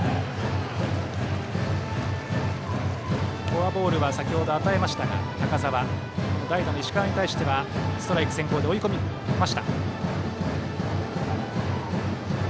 フォアボールは先程与えましたが、高澤代打の石川に対してはストライク先行で追い込んだ。